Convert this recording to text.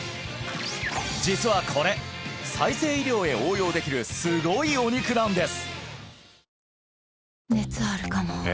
実はこれ再生医療へ応用できるすごいお肉なんです！